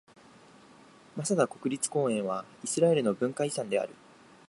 マサダ国立公園はイスラエルの文化遺産である。